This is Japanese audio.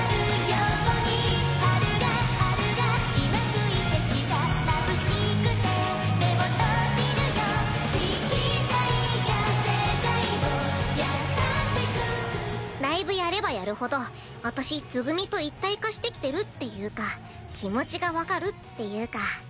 色彩が世界を優しく包んでくライブやればやるほど私つぐみと一体化してきてるっていうか気持ちが分かるっていうか。